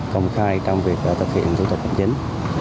công khai trong việc thực hiện thủ tục hành chính